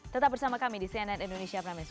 tetap bersama kami di cnn indonesia promise